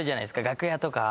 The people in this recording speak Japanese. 楽屋とか。